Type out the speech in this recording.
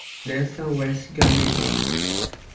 Their son was Garibald.